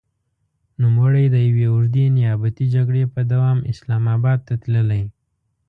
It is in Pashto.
نوموړی د يوې اوږدې نيابتي جګړې په دوام اسلام اباد ته تللی.